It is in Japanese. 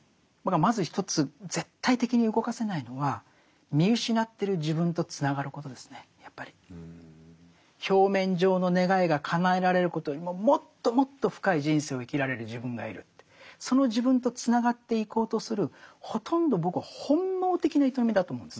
まず一つ絶対的に動かせないのは表面上の願いがかなえられることよりももっともっと深い人生を生きられる自分がいるってその自分とつながっていこうとするほとんど僕は本能的な営みだと思うんです。